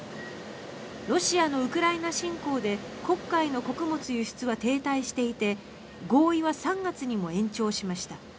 ロシアのウクライナ侵攻で黒海の穀物輸出は停滞していて合意は３月にも延長しました。